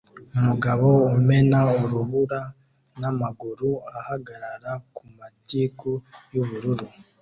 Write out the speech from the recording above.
Umugabo umena urubura n'amaguru ahagarara ku matiku y'ubururu